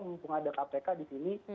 mumpung ada kpk di sini